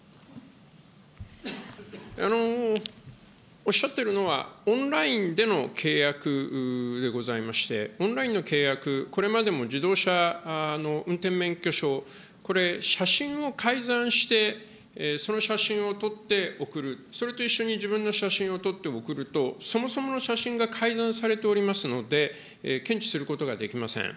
おっしゃっているのは、オンラインでの契約でございまして、オンラインの契約、これまでも自動車の運転免許証、これ、写真を改ざんして、その写真を撮って送る、それと一緒に自分の写真を撮って送ると、そもそもの写真が改ざんされておりますので、検知することができません。